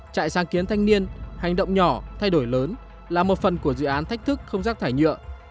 trại sáng kiến thanh niên hành động nhỏ thay đổi lớn là một phần của dự án thách thức không rác thải nhựa